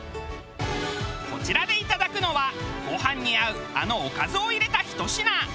こちらでいただくのはご飯に合うあのおかずを入れたひと品。